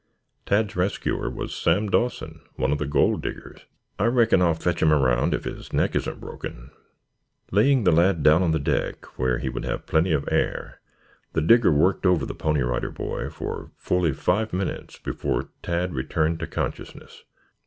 Tad's rescuer was Sam Dawson, one of the Gold Diggers. "I reckon I'll fetch him around if his neck isn't broken." Laying the lad down on the deck where he would have plenty of air, the Digger worked over the Pony Rider Boy for fully five minutes before Tad returned to consciousness.